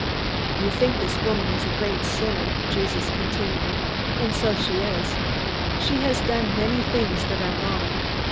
"You think this woman is a great sinner," Jesus continued, "and so she is. She has done many things that are wrong.